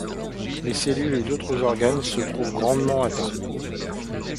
Les cellules et autres organes se trouvent grandement atteints.